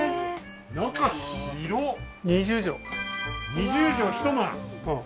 ２０畳一間うん